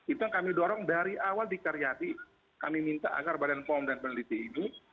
itu yang kami dorong dari awal di karyadi kami minta agar badan pom dan peneliti ini